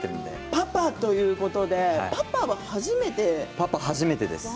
パパということで初めてですね。